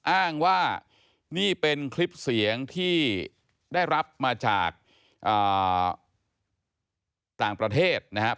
อ้างว่านี่เป็นคลิปเสียงที่ได้รับมาจากต่างประเทศนะครับ